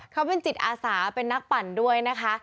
เขาเป็นจิตอาสาเป็นนักปั่นด้วยนะคะ